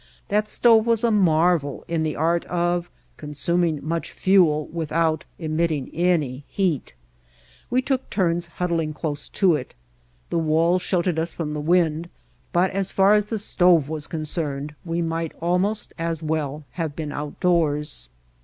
That stove was a marvel in the art of consuming much fuel without emitting any heat. We took turns huddling close to it. The walls sheltered us from the wind, but as far as the stove was con cerned we might almost as well have been out doors.